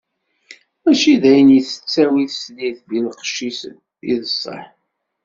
Mačči d ayen i tettawi teslit di lqecc-is i d ṣṣeḥ.